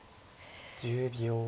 １０秒。